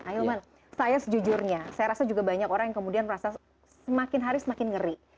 ahilman saya sejujurnya saya rasa juga banyak orang yang kemudian merasa semakin hari semakin ngeri